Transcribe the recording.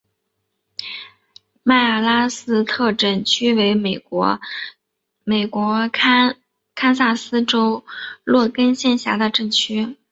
麦阿拉斯特镇区为美国堪萨斯州洛根县辖下的镇区。